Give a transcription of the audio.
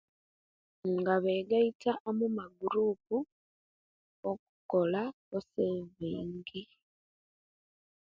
Nga begaita omumagurup okukola ne saving